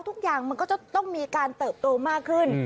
ทุกอย่างมันก็จะต้องมีการเติบโตมากขึ้น